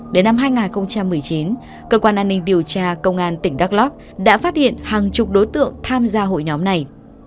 đến năm hai nghìn một mươi chín cơ quan an ninh điều tra công an tỉnh đắk lóc đã phát hiện hàng chục đối tượng tham gia hội nhóm này